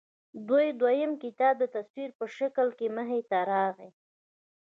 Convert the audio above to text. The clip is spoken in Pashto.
د دوي دويم کتاب د تصوير پۀ شکل کښې مخې ته راغے